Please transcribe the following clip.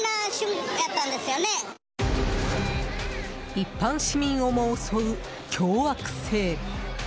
一般市民をも襲う凶悪性。